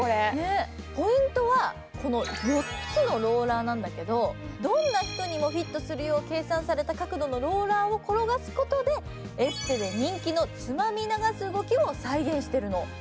ポイントは４のローラーなんだけどどんな人にもフィットするよう計算されたローラーを転がすことで、エステで人気のつまみ流す動きを再現しているの。